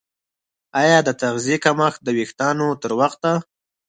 ایا د تغذیې کمښت د ویښتانو تر وخته